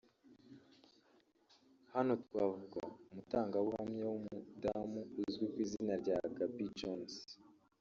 Hano twavuga umutangabuhamya w’umudamu uzwi ku izina rya Gabi Jones